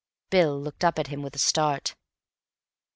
Bill looked up at him with a start.